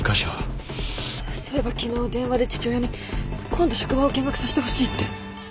そういえば昨日電話で父親に今度職場を見学させてほしいって。